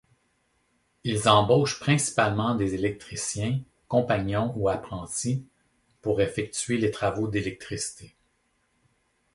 Ils embauchent principalement des électriciens, compagnons ou apprentis, pour effectuer les travaux d'électricité.